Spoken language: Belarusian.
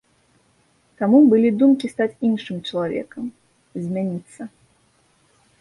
Таму былі думкі стаць іншым чалавекам, змяніцца.